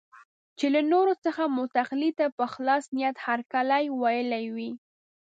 چې له نورو څخه مو تقلید ته په خلاص نیت هرکلی ویلی وي.